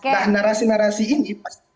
nah narasi narasi ini